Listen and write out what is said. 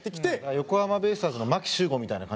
横浜ベイスターズの牧秀悟みたいな感じです。